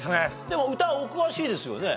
でも歌お詳しいですよね？